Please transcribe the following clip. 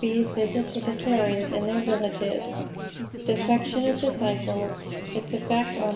B.'S VISIT TO THE KARENS IN THEIR VILLAGES. DEFECTION OF DISCIPLES. ITS EFFECT ON MR.